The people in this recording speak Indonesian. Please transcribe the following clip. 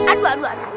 aduh aduh aduh